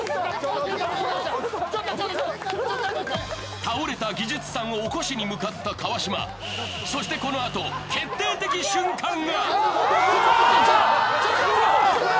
倒れた技術さんを起こしに向かった川島、そしてこのあと決定的瞬間が！